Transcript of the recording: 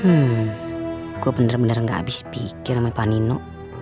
hmm gue bener bener gak habis pikir sama pak nino